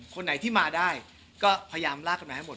คนไหนที่มาได้ก็พยายามลากกันมาให้หมด